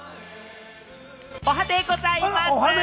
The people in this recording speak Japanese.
おはデイございます！